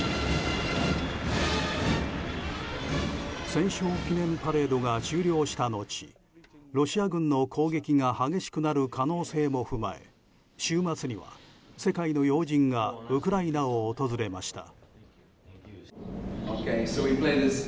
戦勝記念パレードが終了した後ロシア軍の攻撃が激しくなる可能性も踏まえ週末には世界の要人がウクライナを訪れました。